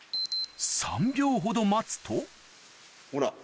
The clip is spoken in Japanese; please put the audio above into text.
３秒ほど待つとほら。